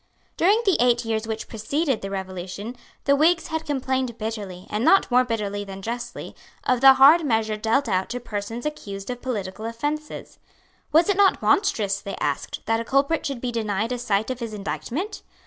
During the eight years which preceded the Revolution, the Whigs had complained bitterly, and not more bitterly than justly, of the hard measure dealt out to persons accused of political offences. Was it not monstrous, they asked, that a culprit should be denied a sight of his indictment?